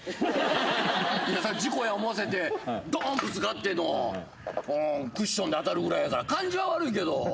事故や思わせてドンぶつかってのクッションで当たるぐらいやから感じは悪いけど。